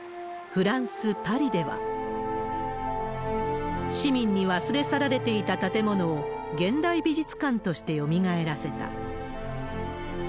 フランス・パリでは、市民に忘れ去られていた建物を現代美術館としてよみがえらせた。